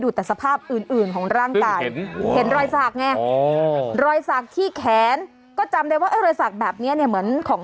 ช่วยทำให้ร่างกายของเราสูบฉีดได้ดีนะคะ